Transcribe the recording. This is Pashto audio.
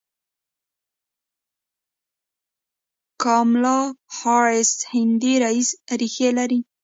کاملا هاریس هندي ریښې لري.